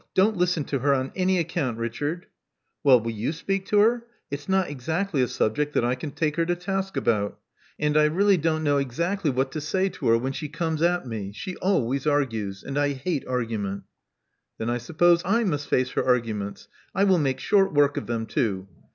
Don't listen to her on any account, Richard." '*Well, will you speak to her? It is not exactly a subject that I can take her to task about; and I really xoo Love Among the Artists loi don't exactly know what to say to her when she comes at jtne. She always argues; and I hate argument." Then I suppose I must face her arguments — I will make short work of them too.